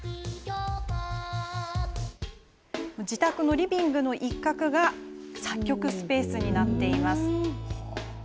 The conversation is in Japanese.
自宅のリビングの一角が作曲スペースになっています。